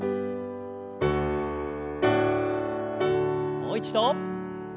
もう一度。